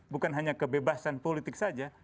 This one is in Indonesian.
bukan hanya kebebasan politik saja